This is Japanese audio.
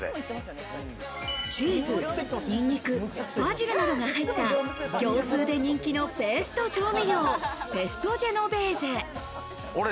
チーズ、にんにく、バジルなどが入った業スーで人気の、ペースト調味料ペストジェノベーゼ。